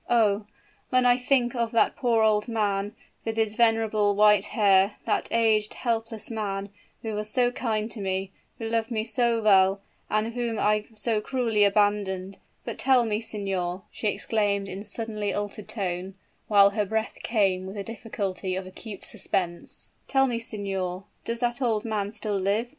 Oh! when I think of that poor old man, with his venerable white hair, that aged, helpless man, who was so kind to me, who loved me so well, and whom I so cruelly abandoned. But tell me, signor," she exclaimed, in suddenly altered tone, while her breath came with the difficulty of acute suspense, "tell me, signor, does that old man still live?"